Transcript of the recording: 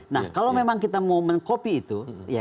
nah kalau memang kita mau mengkopi itu